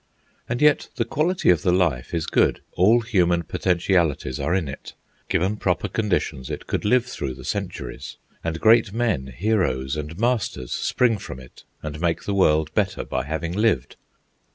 And yet the quality of the life is good. All human potentialities are in it. Given proper conditions, it could live through the centuries, and great men, heroes and masters, spring from it and make the world better by having lived.